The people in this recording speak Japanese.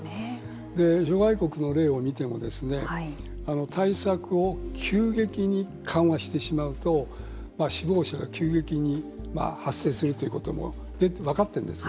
諸外国の例を見ても対策を急激に緩和してしまうと死亡者が急激に発生するということも分かってるんですね。